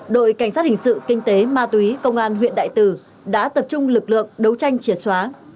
đội cảnh sát hình sự kinh tế ma túy công an huyện đại từ đã tập trung lực lượng đấu tranh triệt xóa